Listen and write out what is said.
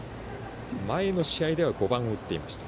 前の試合では５番を打っていました。